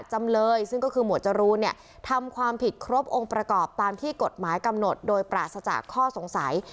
จำเลยซึ่งก็คือหมวดจรูนเนี่ยทำความผิดครบองค์ประกอบตามที่กฎหมายกำหนดโดยปราศจากข้อสงสัย